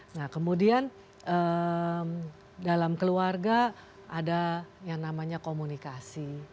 nah kemudian dalam keluarga ada yang namanya komunikasi